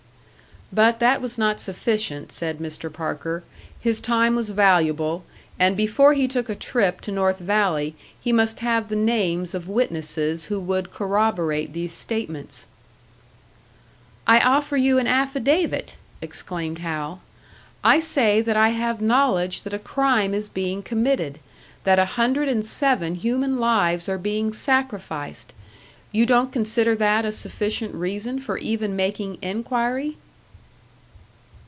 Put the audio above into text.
But that was not sufficient, said Mr. Parker; his time was valuable, and before he took a trip to North Valley he must have the names of witnesses who would corroborate these statements. "I offer you an affidavit!" exclaimed Hal. "I say that I have knowledge that a crime is being committed that a hundred and seven human lives are being sacrificed. You don't consider that a sufficient reason for even making inquiry?"